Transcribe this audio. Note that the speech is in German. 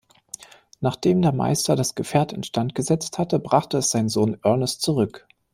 Nachdem der Meister das Gefährt instand gesetzt hatte, brachte es sein Sohn Ernest zurück.